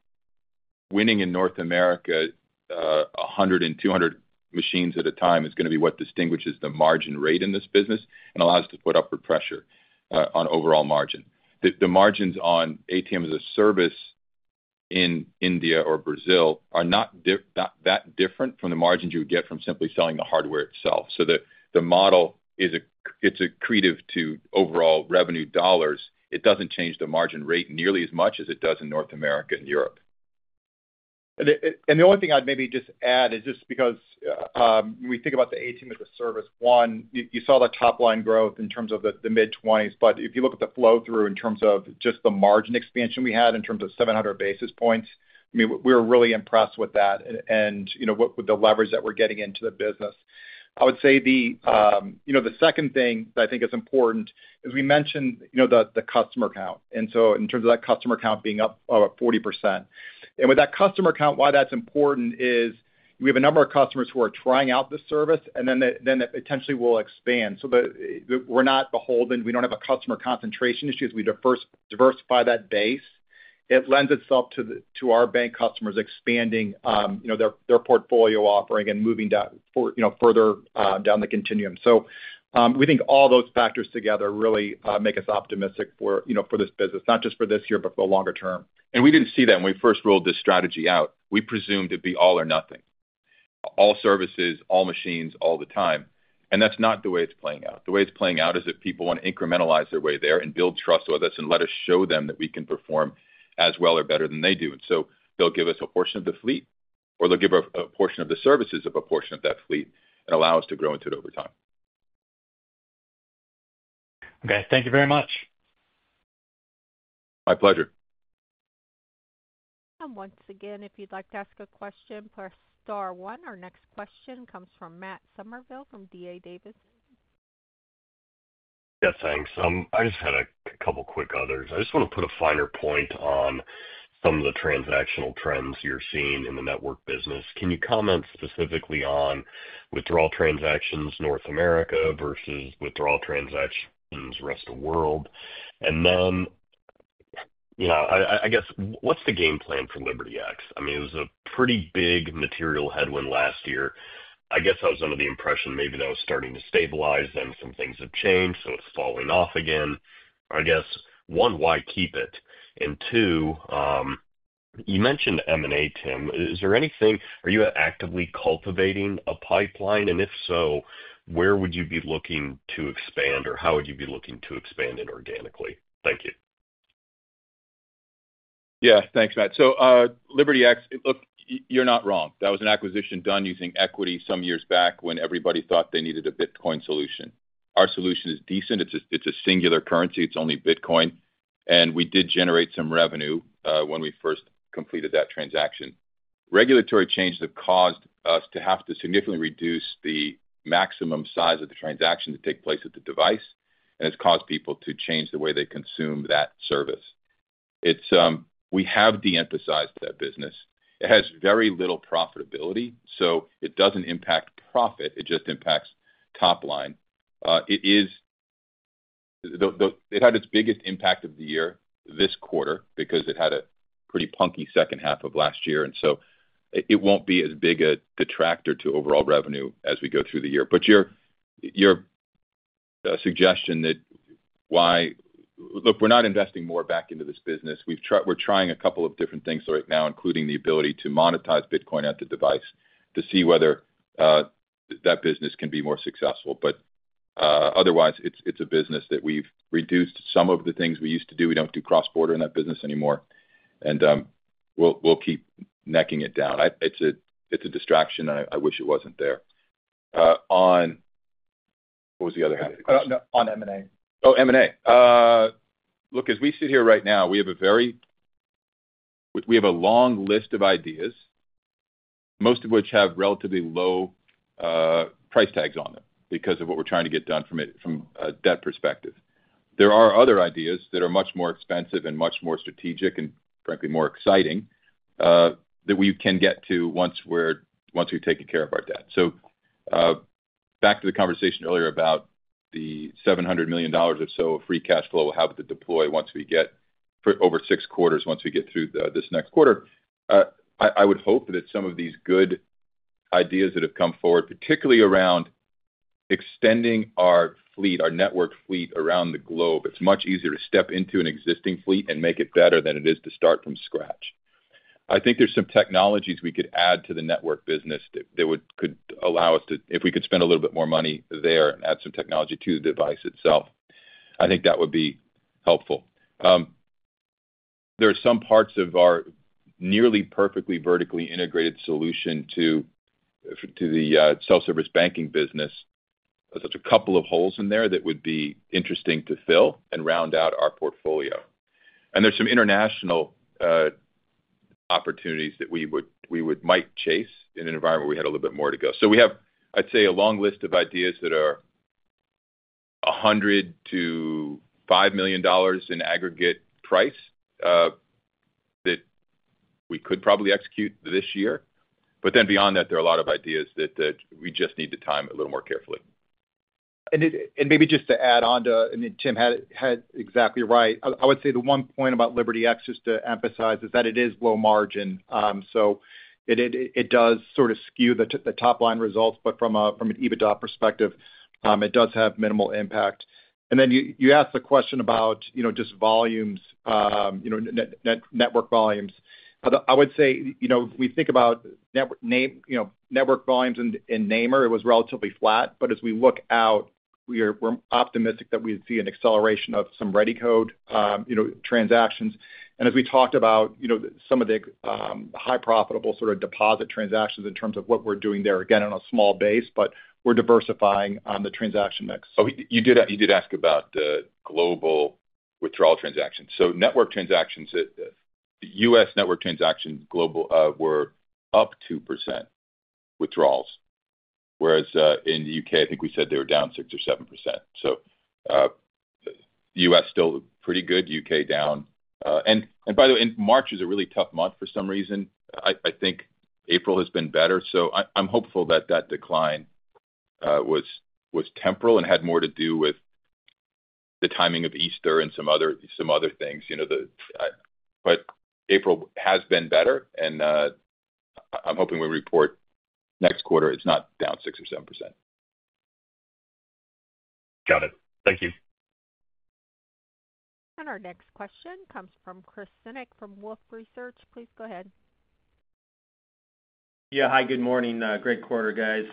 winning in North America, 100 and 200 machines at a time is going to be what distinguishes the margin rate in this business and allows us to put upward pressure on overall margin. The margins on ATM as a Service in India or Brazil are not that different from the margins you would get from simply selling the hardware itself. The model is accretive to overall revenue dollars. It does not change the margin rate nearly as much as it does in North America and Europe. The only thing I would maybe just add is just because when we think about the ATM as a Service, one, you saw the top-line growth in terms of the mid-20s. If you look at the flow-through in terms of just the margin expansion we had in terms of 700 basis points, I mean, we were really impressed with that and with the leverage that we are getting into the business. I would say the second thing that I think is important is we mentioned the customer count. In terms of that customer count being up about 40%. With that customer count, why that's important is we have a number of customers who are trying out the service, and then it potentially will expand. We are not beholden. We do not have a customer concentration issues. We diversify that base. It lends itself to our bank customers expanding their portfolio offering and moving further down the continuum. We think all those factors together really make us optimistic for this business, not just for this year, but for the longer term. We did not see that when we first rolled this strategy out. We presumed it would be all or nothing. All services, all machines, all the time. That is not the way it is playing out. The way it's playing out is that people want to incrementalize their way there and build trust with us and let us show them that we can perform as well or better than they do. They'll give us a portion of the fleet, or they'll give a portion of the services of a portion of that fleet and allow us to grow into it over time. Okay. Thank you very much. My pleasure. Once again, if you'd like to ask a question, press star one. Our next question comes from Matt Summerville from D.A. Davidson. Yes, thanks. I just had a couple of quick others. I just want to put a finer point on some of the transactional trends you're seeing in the network business. Can you comment specifically on withdrawal transactions North America versus withdrawal transactions rest of the world? And then I guess, what's the game plan for LibertyX? I mean, it was a pretty big material headwind last year. I guess I was under the impression maybe that was starting to stabilize, then some things have changed, so it's falling off again. I guess, one, why keep it? And two, you mentioned M&A, Tim. Is there anything? Are you actively cultivating a pipeline? And if so, where would you be looking to expand, or how would you be looking to expand it organically? Thank you. Yeah. Thanks, Matt. So LibertyX, look, you're not wrong. That was an acquisition done using equity some years back when everybody thought they needed a Bitcoin solution. Our solution is decent. It's a singular currency. It's only Bitcoin. And we did generate some revenue when we first completed that transaction. Regulatory changes have caused us to have to significantly reduce the maximum size of the transaction to take place at the device, and it's caused people to change the way they consume that service. We have de-emphasized that business. It has very little profitability, so it doesn't impact profit. It just impacts top line. It had its biggest impact of the year this quarter because it had a pretty punky second half of last year. It won't be as big a detractor to overall revenue as we go through the year. Your suggestion that why look, we're not investing more back into this business. We're trying a couple of different things right now, including the ability to monetize Bitcoin at the device to see whether that business can be more successful. Otherwise, it's a business that we've reduced some of the things we used to do. We do not do cross-border in that business anymore. We will keep necking it down. It is a distraction, and I wish it was not there. What was the other half of the question? On M&A. Oh, M&A. Look, as we sit here right now, we have a long list of ideas, most of which have relatively low price tags on them because of what we are trying to get done from a debt perspective. There are other ideas that are much more expensive and much more strategic and, frankly, more exciting that we can get to once we have taken care of our debt. Back to the conversation earlier about the $700 million or so of free cash flow we'll have to deploy once we get over six quarters, once we get through this next quarter, I would hope that some of these good ideas that have come forward, particularly around extending our fleet, our network fleet around the globe, it's much easier to step into an existing fleet and make it better than it is to start from scratch. I think there's some technologies we could add to the network business that could allow us to, if we could spend a little bit more money there and add some technology to the device itself, I think that would be helpful. There are some parts of our nearly perfectly vertically integrated solution to the self-service banking business. There's a couple of holes in there that would be interesting to fill and round out our portfolio. There's some international opportunities that we might chase in an environment where we had a little bit more to go. We have, I'd say, a long list of ideas that are $100 million-$5 million in aggregate price that we could probably execute this year. Beyond that, there are a lot of ideas that we just need to time a little more carefully. Maybe just to add on to, I mean, Tim had exactly right. I would say the one point about LibertyX, just to emphasize, is that it is low margin. It does sort of skew the top-line results, but from an EBITDA perspective, it does have minimal impact. You asked the question about just volumes, network volumes. I would say if we think about network volumes in North America, it was relatively flat. But as we look out, we're optimistic that we see an acceleration of some ReadyCode transactions. And as we talked about some of the high-profitable sort of deposit transactions in terms of what we're doing there, again, on a small base, but we're diversifying on the transaction mix. Oh, you did ask about the global withdrawal transactions. So network transactions, U.S. network transactions global were up 2% withdrawals, whereas in the U.K., I think we said they were down 6% or 7%. So U.S. still pretty good, U.K. down. By the way, March is a really tough month for some reason. I think April has been better. I'm hopeful that that decline was temporal and had more to do with the timing of Easter and some other things. April has been better, and I'm hoping we report next quarter it's not down 6% or 7%. Got it. Thank you. Our next question comes from Chris Seynek from Wolfe Research. Please go ahead. Yeah. Hi. Good morning. Great quarter, guys.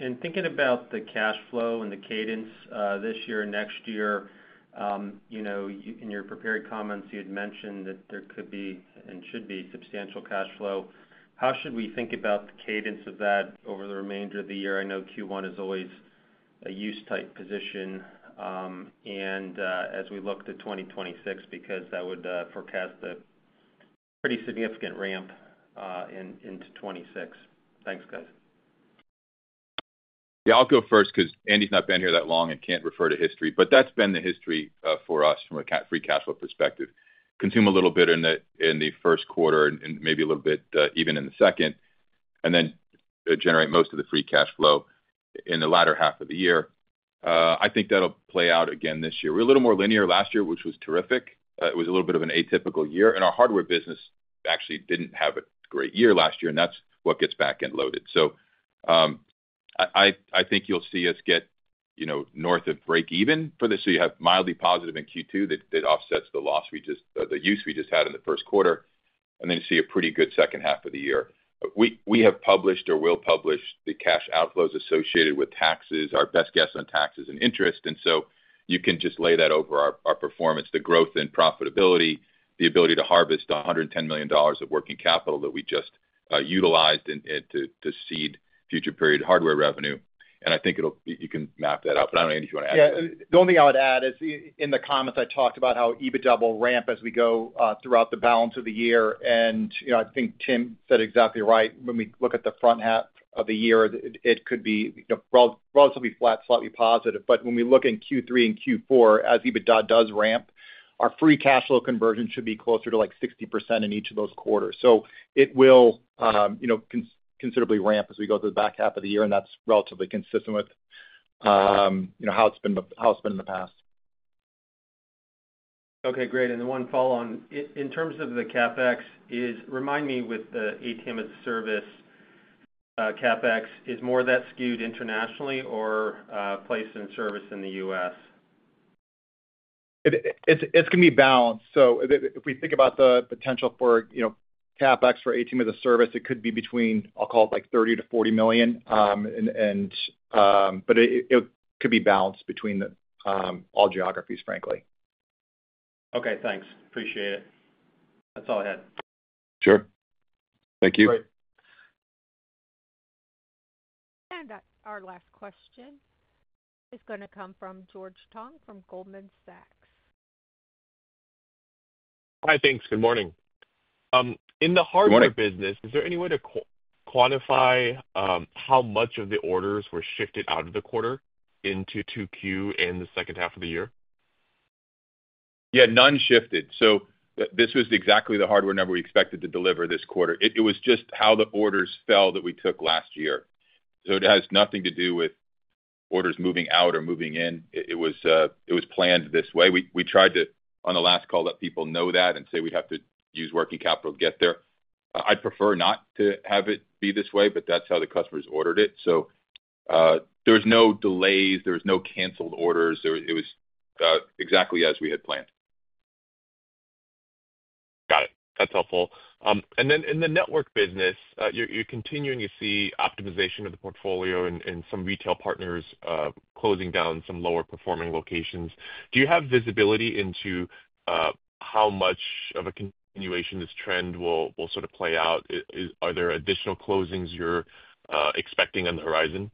In thinking about the cash flow and the cadence this year and next year, in your prepared comments, you had mentioned that there could be and should be substantial cash flow. How should we think about the cadence of that over the remainder of the year? I know Q1 is always a use-type position. As we look to 2026, because that would forecast a pretty significant ramp into 2026. Thanks, guys. Yeah. I'll go first because Andy's not been here that long and can't refer to history. That's been the history for us from a free cash flow perspective. Consume a little bit in the first quarter and maybe a little bit even in the second, and then generate most of the free cash flow in the latter half of the year. I think that'll play out again this year. We were a little more linear last year, which was terrific. It was a little bit of an atypical year. And our hardware business actually did not have a great year last year, and that's what gets backend loaded. I think you'll see us get north of break-even for this. You have mildly positive in Q2 that offsets the use we just had in the first quarter, and then you see a pretty good second half of the year. We have published or will publish the cash outflows associated with taxes, our best guess on taxes and interest. You can just lay that over our performance, the growth in profitability, the ability to harvest $110 million of working capital that we just utilized to seed future-period hardware revenue. I think you can map that out. I do not know, Andy, if you want to add to that. Yeah. The only thing I would add is in the comments, I talked about how EBITDA will ramp as we go throughout the balance of the year. I think Tim said it exactly right. When we look at the front half of the year, it could be relatively flat, slightly positive. When we look in Q3 and Q4, as EBITDA does ramp, our free cash flow conversion should be closer to like 60% in each of those quarters. It will considerably ramp as we go through the back half of the year, and that's relatively consistent with how it's been in the past. Okay. Great. The one follow-on, in terms of the CapEx, remind me with the ATM as a Service, CapEx is more that skewed internationally or placed in service in the U.S.? It's going to be balanced. If we think about the potential for CapEx for ATM as a Service, it could be between, I'll call it like $30 million-$40 million. It could be balanced between all geographies, frankly. Okay. Thanks. Appreciate it. That's all I had. Sure. Thank you. Great. Our last question is going to come from George Tong from Goldman Sachs. Hi, thanks. Good morning. In the hardware business, is there any way to quantify how much of the orders were shifted out of the quarter into Q2 and the second half of the year? Yeah. None shifted. So this was exactly the hardware number we expected to deliver this quarter. It was just how the orders fell that we took last year. It has nothing to do with orders moving out or moving in. It was planned this way. We tried to, on the last call, let people know that and say we'd have to use working capital to get there. I'd prefer not to have it be this way, but that's how the customers ordered it. There's no delays. There's no canceled orders. It was exactly as we had planned. Got it. That's helpful. In the network business, you're continuing to see optimization of the portfolio and some retail partners closing down some lower-performing locations. Do you have visibility into how much of a continuation this trend will sort of play out? Are there additional closings you're expecting on the horizon?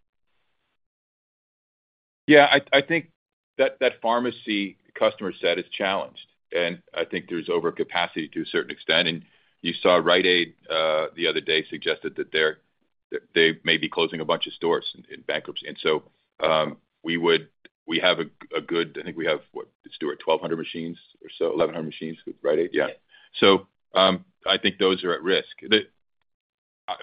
Yeah. I think that pharmacy customer set is challenged. I think there's overcapacity to a certain extent. You saw Rite Aid the other day suggested that they may be closing a bunch of stores in bankruptcy. We have a good, I think we have, what, Stuart, 1,200 machines or so, 1,100 machines with Rite Aid? Yeah. I think those are at risk.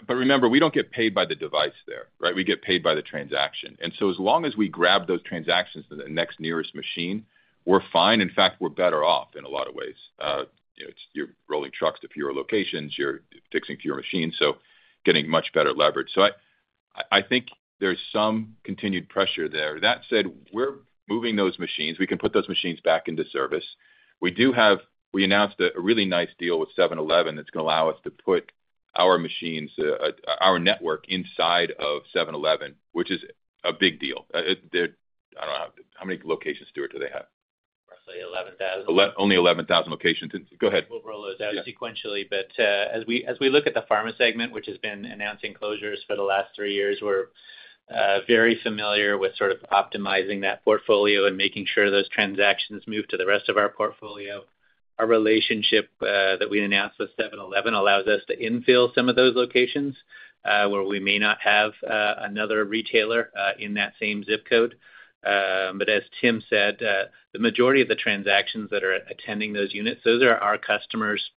Remember, we don't get paid by the device there, right? We get paid by the transaction. As long as we grab those transactions to the next nearest machine, we're fine. In fact, we're better off in a lot of ways. You're rolling trucks to fewer locations. You're fixing fewer machines. So getting much better leverage. I think there's some continued pressure there. That said, we're moving those machines. We can put those machines back into service. We announced a really nice deal with 7-Eleven that's going to allow us to put our network inside of 7-Eleven, which is a big deal. I don't know. How many locations, Stuart, do they have? Roughly 11,000. Only 11,000 locations. Go ahead. We'll roll those out sequentially. As we look at the pharma segment, which has been announcing closures for the last three years, we're very familiar with sort of optimizing that portfolio and making sure those transactions move to the rest of our portfolio. Our relationship that we announced with 7-Eleven allows us to infill some of those locations where we may not have another retailer in that same zip code. As Tim said, the majority of the transactions that are attending those units, those are our customers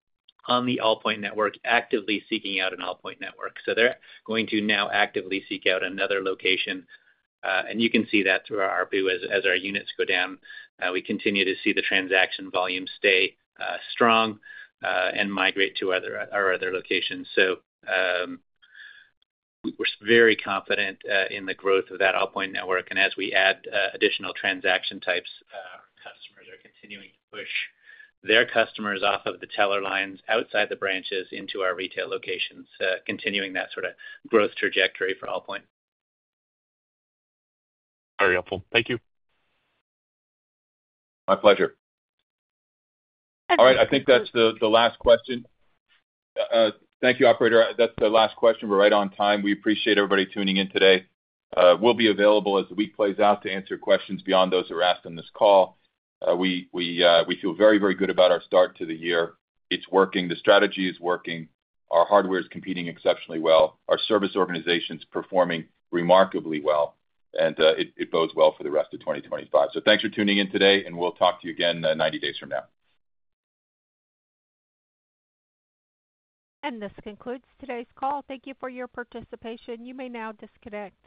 on the Allpoint Network actively seeking out an Allpoint Network. They are going to now actively seek out another location. You can see that through our ARPU as our units go down. We continue to see the transaction volume stay strong and migrate to our other locations. We are very confident in the growth of that Allpoint Network. As we add additional transaction types, customers are continuing to push their customers off of the teller lines outside the branches into our retail locations, continuing that sort of growth trajectory for Allpoint. Very helpful. Thank you. My pleasure. All right. I think that's the last question. Thank you, Operator. That's the last question. We're right on time. We appreciate everybody tuning in today. We'll be available as the week plays out to answer questions beyond those that were asked on this call. We feel very, very good about our start to the year. It's working. The strategy is working. Our hardware is competing exceptionally well. Our service organization's performing remarkably well. It bodes well for the rest of 2025. Thanks for tuning in today, and we'll talk to you again 90 days from now. This concludes today's call. Thank you for your participation. You may now disconnect.